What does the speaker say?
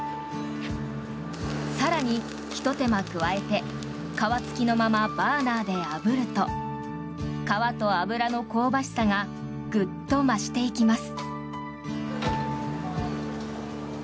更に、ひと手間加えて皮付きのままバーナーであぶると皮と脂の香ばしさがグッと増していきます。